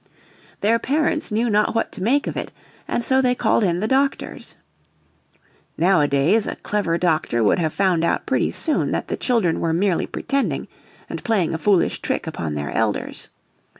Their parents knew not what to make of it, and so they called in the doctors. Nowadays a clever doctor would have found out pretty soon that the children were merely pretending and playing a foolish trick upon their elders.